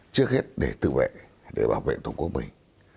trước hết để tự vệ để bảo vệ tổ quốc mình